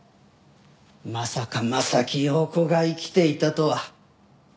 まさか柾庸子が生きていたとは。